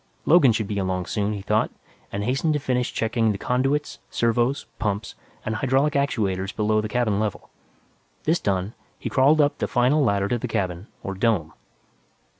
Logan should be along soon, he thought, and hastened to finish checking the conduits, servos, pumps and hydraulic actuators below the cabin level. This done, he crawled up the final ladder to the cabin, or "dome."